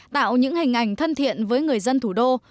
tạo những hình ảnh thân thiện với người dân thủ đô